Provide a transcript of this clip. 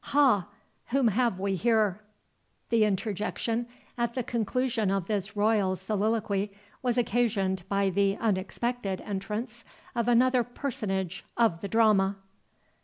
—Ha! whom have we here?" The interjection at the conclusion of this royal soliloquy, was occasioned by the unexpected entrance of another personage of the drama.